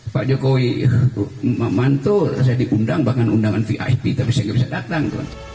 pak jokowi mantul saya diundang bahkan undangan vip tapi saya nggak bisa datang